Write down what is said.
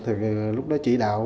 thì lúc đó chỉ đạo